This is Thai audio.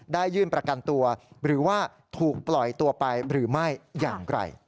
ยื่นประกันตัวหรือว่าถูกปล่อยตัวไปหรือไม่อย่างไร